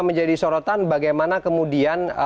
menjadi sorotan bagaimana kemudian